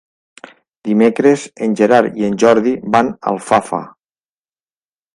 Dimecres en Gerard i en Jordi van a Alfafar.